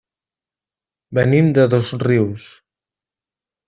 Venim de Dosrius.